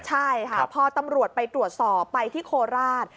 ใช่ค่ะพอตำรวจไปตรวจสอบไปที่โคราช